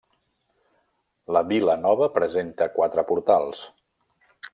La Vila nova presenta quatre portals: